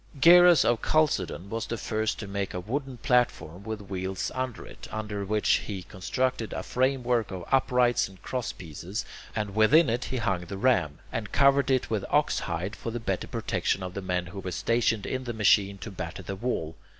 Geras of Chalcedon was the first to make a wooden platform with wheels under it, upon which he constructed a framework of uprights and crosspieces, and within it he hung the ram, and covered it with oxhide for the better protection of the men who were stationed in the machine to batter the wall.